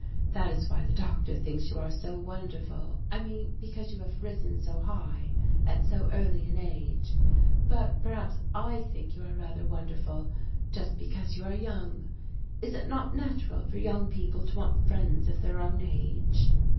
That is why the doctor thinks you are so wonderful I mean because you have risen so high at so early an age but perhaps I think you are rather wonderful just because you are young. Is it not natural for young people to want friends of their own age?"